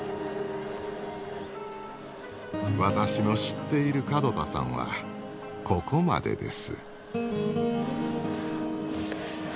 私の知っている門田さんはここまでです。